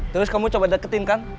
terus kamu coba deketin kan